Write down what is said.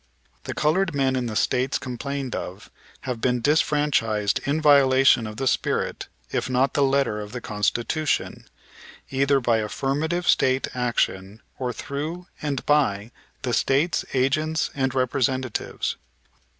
The colored men in the States complained of, have been disfranchised in violation of the spirit if not the letter of the Constitution, either by affirmative State action, or through and by the State's agents and representatives.